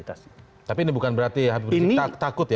tapi ini bukan berarti habib rizik takut ya